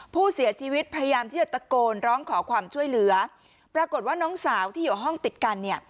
ผู้เสียชีวิตพยายามที่จะตะโกนร้องขอความช่วยเหลือปรากฏว่าน้องสาวที่อยู่ห้องติดกันเนี่ย